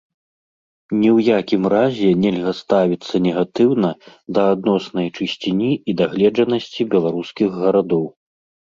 Ні ў якім разе нельга ставіцца негатыўна да адноснай чысціні і дагледжанасці беларускіх гарадоў.